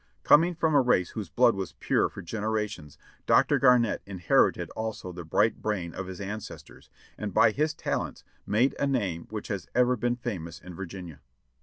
Coming from a race whose blood was pure for generations, Dr. Garnett inherited also the bright brain of his ancestors, and by his talents made a name which has ever been famous in Virginia.